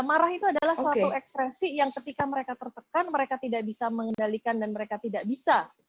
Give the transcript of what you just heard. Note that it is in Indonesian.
marah itu adalah suatu ekspresi yang ketika mereka tertekan mereka tidak bisa mengendalikan dan mereka tidak bisa